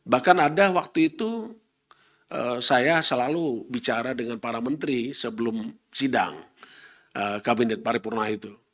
bahkan ada waktu itu saya selalu bicara dengan para menteri sebelum sidang kabinet paripurna itu